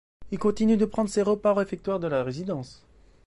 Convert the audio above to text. Il continue de prendre ses repas au réfectoire de la résidence.